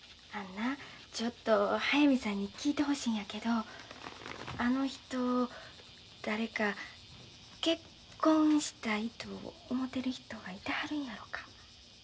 あんなちょっと速水さんに聞いてほしいんやけどあの人誰か結婚したいと思てる人がいてはるんやろか。